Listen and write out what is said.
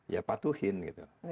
ya patuhin gitu